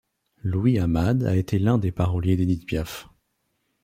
Louis Amade a été l'un des paroliers d'Édith Piaf.